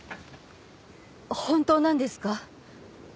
本当なんですか？